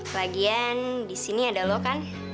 lagian di sini ada lo kan